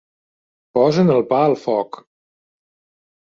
Posen el pa al foc.